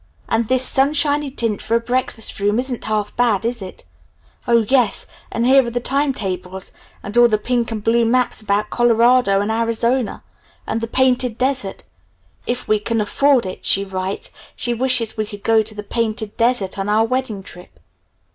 And this sun shiny tint for a breakfast room isn't half bad, is it? Oh yes, and here are the time tables, and all the pink and blue maps about Colorado and Arizona and the 'Painted Desert'. If we can 'afford it,' she writes, she 'wishes we could go to the Painted Desert on our wedding trip.'